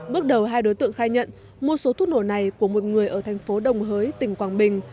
bước đầu hai đối tượng khai nhận mua số thuốc nổ này của một người ở thành phố đồng hới tỉnh quảng bình